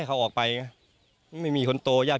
ก็มีอีกคอร์สมาก